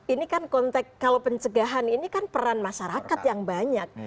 ini kan konteks kalau pencegahan ini kan peran masyarakat yang banyak